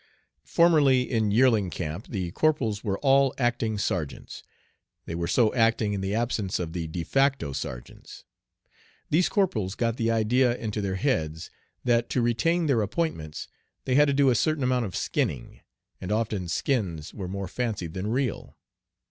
Formerly in yearling camp the corporals were all "acting sergeants." They were so acting in the absence of the de facto sergeants. These corporals got the idea into their heads that to retain their appointments they had to do a certain amount of "skinning," and often "skins" were more fancied than real.